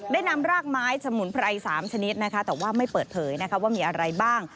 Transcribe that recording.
ได้นำรากไม้สมุนไพร๓ชนิดนะคะแต่ว่าไม่เปิดเผยนะคะว่ามีอะไรบ้าง